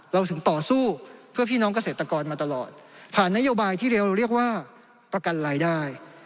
เราถึงต่อสู้เพื่อพี่น้องเกษตรกรมาตลอดผ่านนโยบายที่เราเรียกว่าประกันรายได้